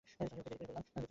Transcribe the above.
Sorry, দেরি করে ফেললাম!